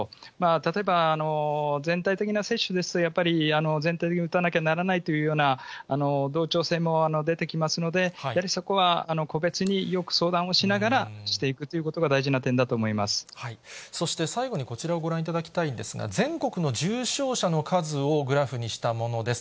例えば全体的な接種ですと、やっぱり、全体的に打たなきゃならないというような同調性も出てきますので、やはりそこは、個別によく相談をしながら、していくということがそして最後にこちらをご覧いただきたいんですが、全国の重症者の数をグラフにしたものです。